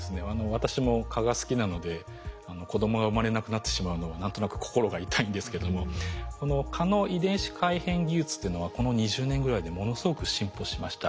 私も蚊が好きなので子供が生まれなくなってしまうのは何となく心が痛いんですけどもこの蚊の遺伝子改変技術というのはこの２０年ぐらいでものすごく進歩しました。